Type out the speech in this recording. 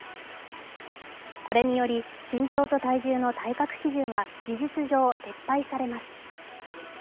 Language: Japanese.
これにより、身長と体重の体格基準は事実上撤廃されます。